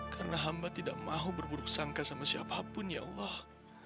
karena hamba tidak mau berburuk sangka sama siapapun ya allah